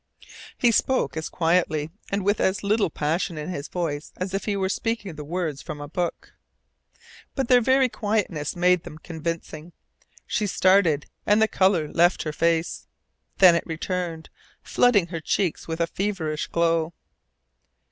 He spoke as quietly and with as little passion in his voice as if he were speaking the words from a book. But their very quietness made them convincing. She started, and the colour left her face. Then it returned, flooding her cheeks with a feverish glow.